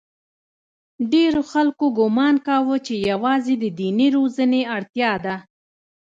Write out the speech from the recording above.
ډېرو خلکو ګومان کاوه چې یوازې د دیني روزنې اړتیا ده.